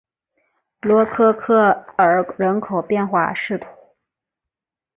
罗科科尔人口变化图示